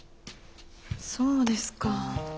そうですか。